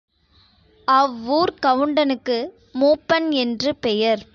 அவ்வூர்க் கவுண்டனுக்கு மூப்பன் என்று பெயர்.